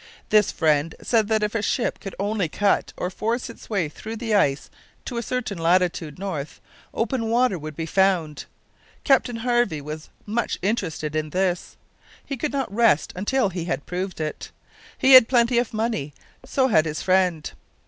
This friend said that if a ship could only cut or force its way through the ice to a certain latitude north, open water would be found. Captain Harvey was much interested in this. He could not rest until he had proved it. He had plenty of money, so had his friend.